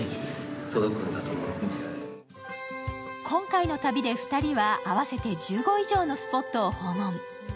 今回の旅で２人は、合わせて１５以上のスポットを訪問。